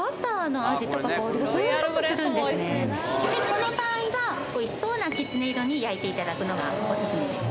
この場合は美味しそうなきつね色に焼いていただくのがオススメです